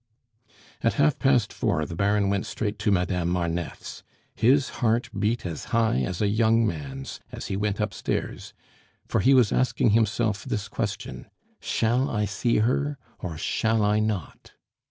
At half past four the baron went straight to Madame Marneffe's; his heart beat as high as a young man's as he went upstairs, for he was asking himself this question, "Shall I see her? or shall I not?"